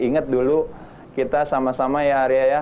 ingat dulu kita sama sama ya arya ya